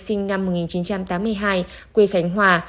sinh năm một nghìn chín trăm tám mươi hai quê khánh hòa